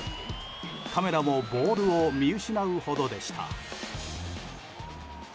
カメラもボールを見失うほどでした。